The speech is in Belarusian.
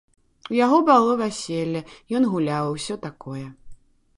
У яго было вяселле, ён гуляў і ўсё такое.